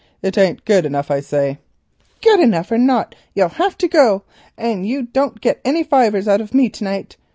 It ain't good enough, I say." "Good enough or not you'll have to go and you don't get any fivers out of me to night.